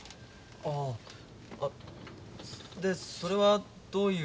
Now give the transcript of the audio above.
ああでそれはどういう？